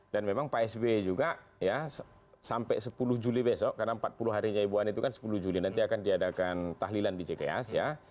dan memang pak sby juga ya sampai sepuluh juli besok karena empat puluh harinya ibu ani itu kan sepuluh juli nanti akan diadakan tahlilan di cks ya